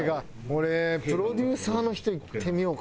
俺プロデューサーの人いってみようかな？